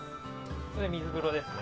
それ水風呂ですね。